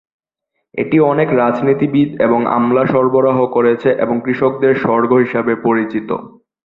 এটি অনেক রাজনীতিবিদ এবং আমলা সরবরাহ করেছে এবং কৃষকদের স্বর্গ হিসাবে পরিচিত।